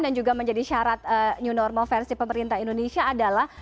dan juga menjadi syarat new normal versi pemerintah indonesia adalah